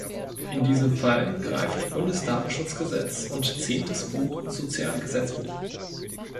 In diesem Fall greift Bundesdatenschutzgesetz und Zehntes Buch Sozialgesetzbuch.